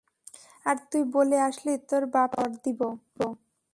আর তুই বলে আসলি তোর বাপেরে চড় দিবো।